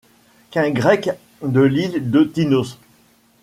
Qu'un grec de l'île de Tinos !